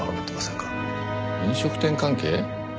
飲食店関係？